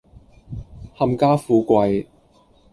冚家富貴